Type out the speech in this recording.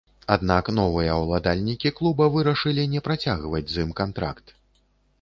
Аднак новыя ўладальнікі клуба вырашылі не працягваць з ім кантракт.